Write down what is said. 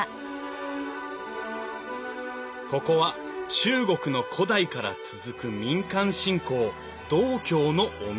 ここは中国の古代から続く民間信仰道教のお宮。